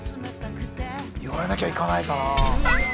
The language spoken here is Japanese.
言われなきゃ行かないかな。